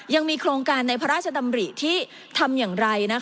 ยังมีโครงการในพระราชดำริที่ทำอย่างไร